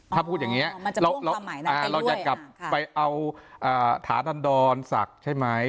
ถ้าพูดอย่างนี้เราจะกลับไปเอาถาทันดรศักดิ์ใช่ไหม